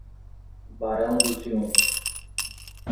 Barão do Triunfo